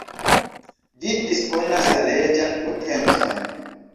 Ĝi disponas la leĝan potencon.